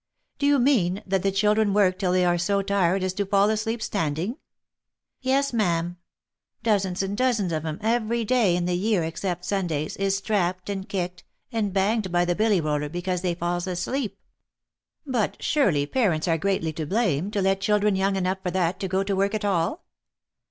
" Do you mean, that the children work till they are so tired as to fall asleep standing?" " Yes, ma'am. Dozens and dozens of 'em every day in the year except Sundays, is strapped, and kicked, and banged by the billy roller, because they falls asleep." " But, surely, parents are greatly to blame, to let children young enough for that, go to work at all